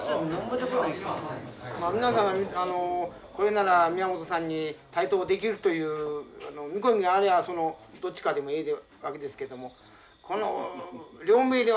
まあ皆さんが「これなら宮本さんに対等できる」という見込みがありゃあそのどっちかでもええわけですけどもこの両名では問題ならんですやん。